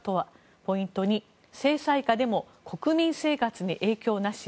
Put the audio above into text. ポイント２制裁下でも国民生活に影響なし？